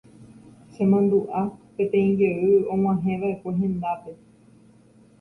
Chemandu'a peteĩ jey ag̃uahẽva'ekue hendápe.